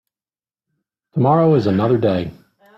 Tomorrow is another day.